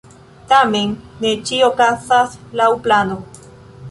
Tamen ne ĉio okazas laŭ plano.